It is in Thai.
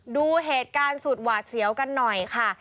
ดูเหตุการณ์สุดหวาดเสียวกันหน่อยค่ะ